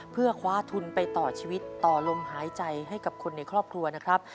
เพื่อคว้าทุนไปต่อชีวิตต่อลมหายใจให้กับคนในครอบครัวนะครับ